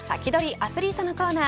アツリートのコーナー。